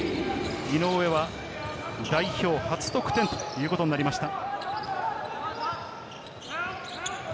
井上は代表初得点ということになりました。